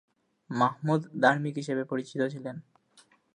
মাহমুদ ধার্মিক হিসেবে পরিচিত ছিলেন।